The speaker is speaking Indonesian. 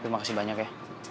terima kasih banyak ya